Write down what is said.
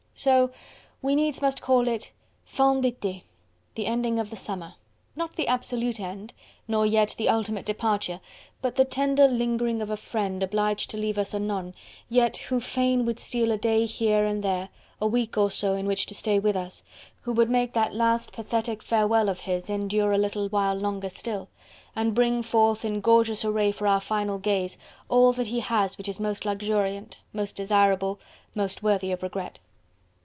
So we needs must call it "fin d'ete": the ending of the summer; not the absolute end, nor yet the ultimate departure, but the tender lingering of a friend obliged to leave us anon, yet who fain would steal a day here and there, a week or so in which to stay with us: who would make that last pathetic farewell of his endure a little while longer still, and brings forth in gorgeous array for our final gaze all that he has which is most luxuriant, most desirable, most worthy of regret.